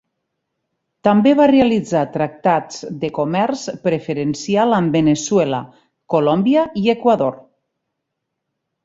També va realitzar tractats de comerç preferencial amb Veneçuela, Colòmbia, i Equador.